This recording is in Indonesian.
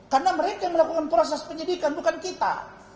karena mereka yang melakukan proses penyidikan bukan kita